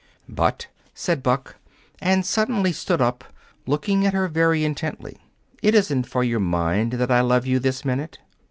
"But," said Buck, and suddenly stood up, looking at her very intently, "it isn't for your mind that I love you this minute.